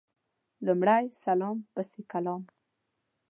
لمړی سلام پسي کلام